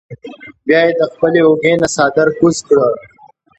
بیا ئې د خپلې اوږې نه څادر کوز کړۀ ـ